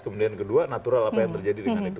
kemudian kedua natural apa yang terjadi dengan ekonomi